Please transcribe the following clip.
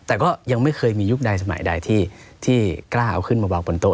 แต่ก็ยังไม่เคยมียุคใดสมัยใดที่กล้าเอาขึ้นมาวางบนโต๊